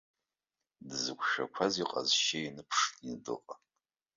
Дзықәшәақәаз иҟазшьа ианыԥшны дыҟан.